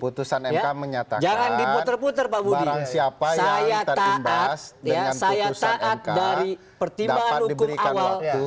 putusan mk menyatakan barang siapa yang terimbas dengan putusan mk dapat diberikan waktu